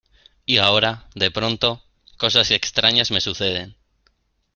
Y ahora, de pronto , cosas extrañas me suceden